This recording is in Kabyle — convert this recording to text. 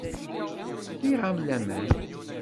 Fkiɣ-am laman.